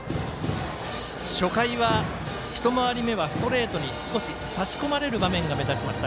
初回は１回り目はストレートに少し差し込まれる場面が目立ちました